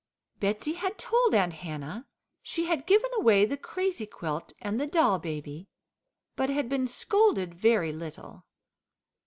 Betsey had told Aunt Hannah she had given away the crazy quilt and the doll baby, but had been scolded very little.